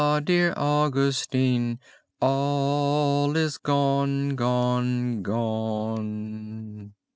dear Augustine! All is gone, gone, gone!"